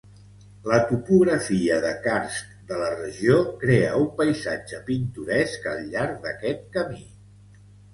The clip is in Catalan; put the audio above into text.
La topografia de carst de la regió crea un paisatge pintoresc al llarg d'aquest camí.